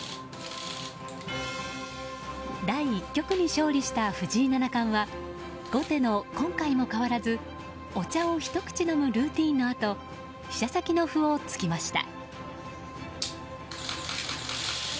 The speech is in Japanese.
第１局に勝利した藤井七冠は後手の今回も変わらずお茶をひと口飲むルーティンのあと飛車先の歩を突きました。